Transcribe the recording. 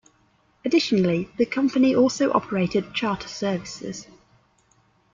Additionally, the company also operated charter services.